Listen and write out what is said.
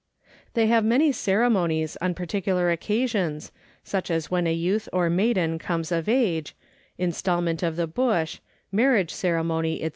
They have many ceremonies on particular occasions, such as when a youth or maiden comes of age, instalment of the bush, marriage ceremony, &c.